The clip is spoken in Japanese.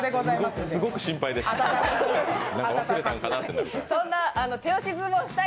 すごく心配でした。